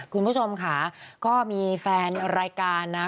คุณผู้ชมค่ะก็มีแฟนรายการนะ